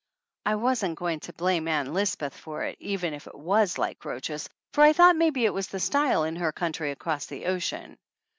I wasn't go ing to blame Ann Lisbeth for it even if it was like roaches, for I thought maybe it was the style in her country across the ocean.